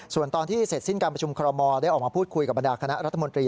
ส่วนตอนที่เสร็จสิ้นการประชุมคอรมอลได้ออกมาพูดคุยกับบรรดาคณะรัฐมนตรี